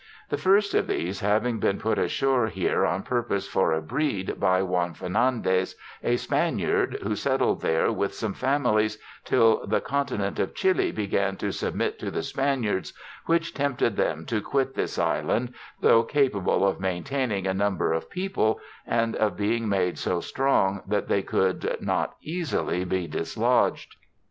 The first of these having been put ashore here on purpose for a breed, by Juan Fernandez, a Spaniard, who settled there with some families till the continent of Chili began to submit to the Spaniards, which tempted them to quit this island, tho capable of maintaining a number of people, and of being made so strong that they could not easily be dislodg'd.